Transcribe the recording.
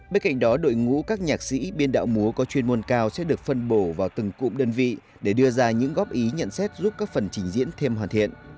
bên cạnh đó đội ngũ các nhạc sĩ biên đạo múa có chuyên môn cao sẽ được phân bổ vào từng cụm đơn vị để đưa ra những góp ý nhận xét giúp các phần trình diễn thêm hoàn thiện